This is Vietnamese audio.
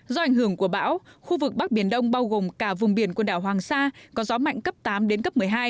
do ảnh hưởng của bão khu vực bắc biển đông bao gồm cả vùng biển quần đảo hoàng sa có gió mạnh cấp tám đến cấp một mươi hai